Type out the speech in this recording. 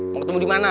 mau ketemu dimana